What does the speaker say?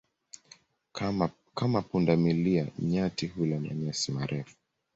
Kama punda milia, nyati hula manyasi marefu.